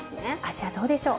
味はどうでしょう？